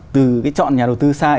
từ cái chọn nhà đầu tư sai